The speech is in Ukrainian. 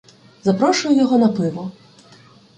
Запрошую його на пиво.